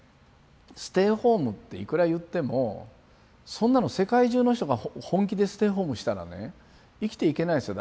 ステイホームっていくら言ってもそんなの世界中の人が本気でステイホームしたらね生きていけないですよ